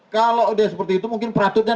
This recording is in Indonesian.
kalau dia seperti itu mungkin peratutnya